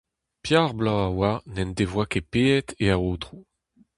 Pevar bloaz a oa n'en devoa ket paeet e aotrou.